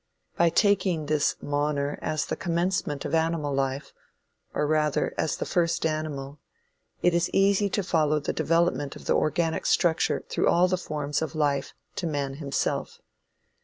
By taking this Moner as the commencement of animal life, or rather as the first animal, it is easy to follow the development of the organic structure through all the forms of life to man himself.